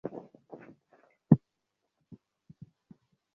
দাদার দশা যে কী, মধুসূদন তা ভালোই জানে।